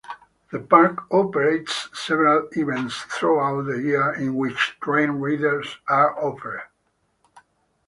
The park operates several events throughout the year in which train rides are offered.